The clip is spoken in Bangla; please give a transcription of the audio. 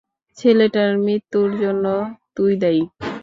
ছেলেটার মৃত্যুর জন্য তুই দায়ী!